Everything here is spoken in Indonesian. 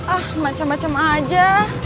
ah macam macam aja